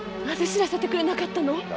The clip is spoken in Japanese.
なぜ知らせてくれなかったの？